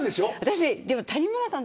谷村さん